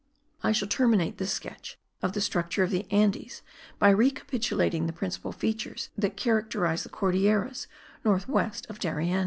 I shall terminate this sketch of the structure of the Andes by recapitulating the principal features that characterize the Cordilleras, north west of Darien.